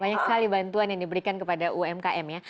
banyak sekali bantuan yang diberikan kepada umkm ya